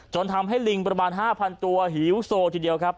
จนทำให้ลิงประมาณ๕๐๐ตัวหิวโซทีเดียวครับ